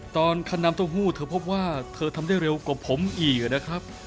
คันน้ำเต้าหู้เธอพบว่าเธอทำได้เร็วกว่าผมอีกนะครับ